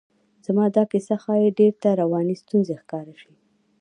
زما دا کیسه ښایي ډېرو ته رواني ستونزه ښکاره شي.